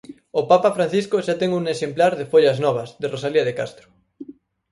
O papa Francisco xa ten un exemplar de Follas Novas de Rosalía de Castro.